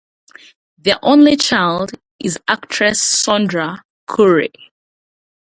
Their only child is actress Sondra Currie.